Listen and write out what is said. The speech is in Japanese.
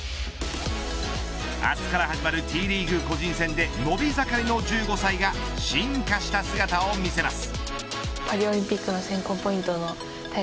明日から始まるＴリーグ個人戦で伸び盛りの１５歳が進化した姿を見せます。